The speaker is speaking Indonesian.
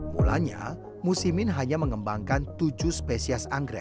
mulanya musimin hanya mengembangkan tujuh spesies anggrek